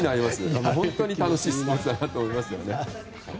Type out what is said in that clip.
本当に楽しいスポーツだなと思いますよね。